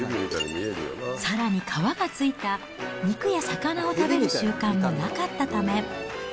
さらに、皮がついた肉や魚を食べる習慣もなかったため。